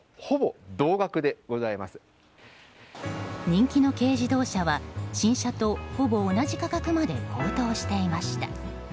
人気の軽自動車は新車とほぼ同じ価格まで高騰していました。